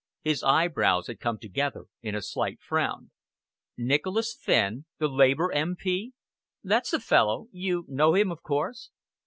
His eyebrows had come together in a slight frown. "Nicholas Fenn, the Labour M.P.?" "That's the fellow. You know him, of course?"